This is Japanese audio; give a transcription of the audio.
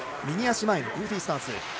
右足前のグーフィースタンス。